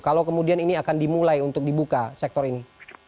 kalau kemudian ini akan dimulai untuk dibuka sektor ini